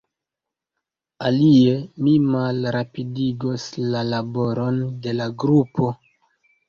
Alie, mi malrapidigos la laboron de la grupo.